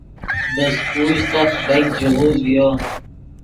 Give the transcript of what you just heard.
دے سکول سخت بیګ ژیغوز ڤیو